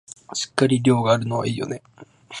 しっかり量があるのはいいよね